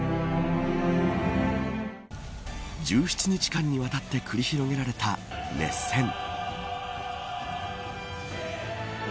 １７日間にわたって繰り広げられた熱戦。